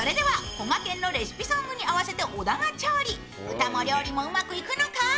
歌も料理もうまくいくのか！？